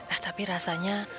eh tapi rasanya